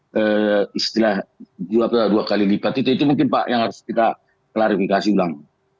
jadi setelah dua kali lipat itu mungkin pak yang harus kita klarifikasi ulang